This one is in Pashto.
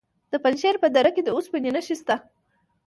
د پنجشیر په دره کې د اوسپنې نښې شته.